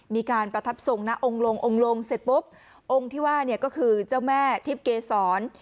มีการประทับทรงนะองค์ลงองค์ลงเสร็จปุ๊บองค์ที่ว่าเนี่ยก็คือเจ้าแม่ทิพย์เกษร